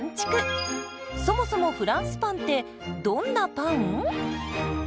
そもそもフランスパンってどんなパン？